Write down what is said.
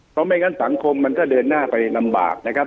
เพราะไม่งั้นสังคมมันก็เดินหน้าไปลำบากนะครับ